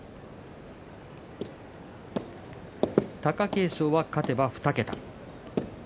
貴景勝は勝てば２桁。